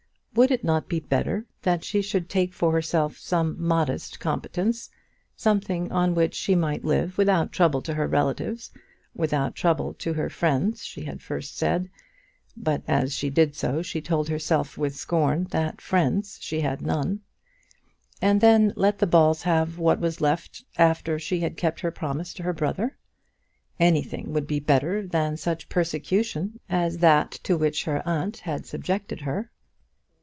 Would it not be better that she should take for herself some modest competence, something on which she might live without trouble to her relatives, without trouble to her friends she had first said, but as she did so she told herself with scorn that friends she had none, and then let the Balls have what was left her after she had kept her promise to her brother? Anything would be better than such persecution as that to which her aunt had subjected her.